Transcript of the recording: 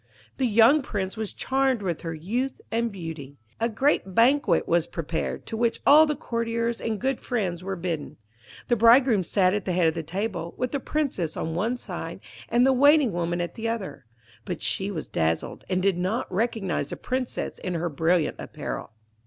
The young Prince was charmed with her youth and beauty. A great banquet was prepared, to which all the courtiers and good friends were bidden. The bridegroom sat at the head of the table, with the Princess on one side and the Waiting woman at the other; but she was dazzled, and did not recognise the Princess in her brilliant apparel.